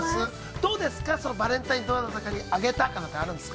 ◆どうですか、バレンタイン、どなたかとかに、上げたとかあるんですか。